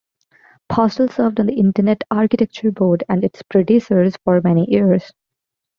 Postel served on the Internet Architecture Board and its predecessors for many years.